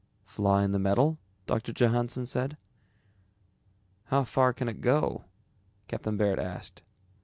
"Flaw in the metal?" Doctor Johannsen said. "How far can it go?" Captain Baird asked.